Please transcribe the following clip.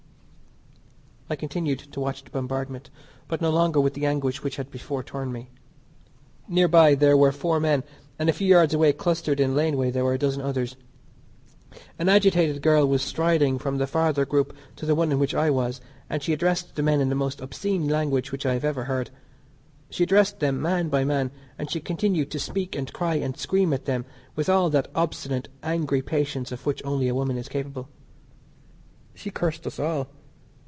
I continued to watch the bombardment, but no longer with the anguish which had before torn me. Near by there were four men, and a few yards away, clustered in a laneway, there were a dozen others. An agitated girl was striding from the farther group to the one in which I was, and she addressed the men in the most obscene language which I have ever heard. She addressed them man by man, and she continued to speak and cry and scream at them with all that obstinate, angry patience of which only a woman is capable. She cursed us all.